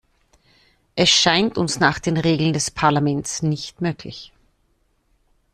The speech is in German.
Es scheint uns nach den Regeln des Parlaments nicht möglich.